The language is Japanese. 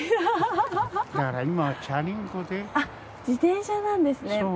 自転車なんですね。